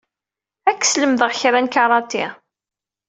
Ad k-sslemdeɣ kra n karati.